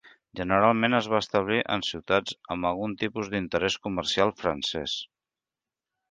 Generalment es van establir en ciutats amb algun tipus d'interès comercial francès.